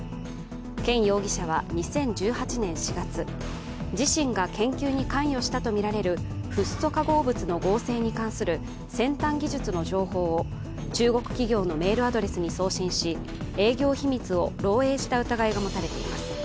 権容疑者は２０１８年４月、自身が研究に関与したとみられるフッ素化合物の合成に関する先端技術の情報を中国企業のメールアドレスに送信し、営業秘密を漏えいした疑いが持たれています。